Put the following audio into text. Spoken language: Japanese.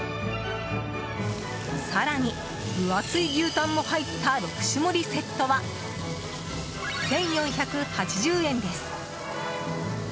更に、分厚い牛タンも入った６種盛りセットは１４８０円です。